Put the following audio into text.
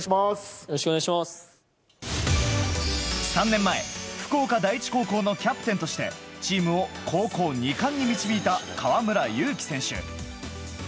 ３年前、福岡第一高校のキャプテンとしてチームを高校２冠に導いた河村勇輝選手。